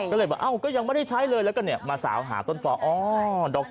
ก็เลยอยากว่ายังไม่ได้ใช้เลยแล้วก็มาเสาหาต้นตอด